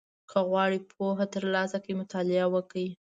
• که غواړې پوهه ترلاسه کړې، مطالعه وکړه.